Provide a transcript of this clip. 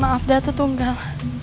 maaf datuk tunggal